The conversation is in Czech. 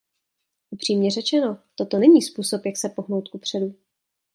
Upřímně řečeno, toto není způsob, jak se pohnout kupředu.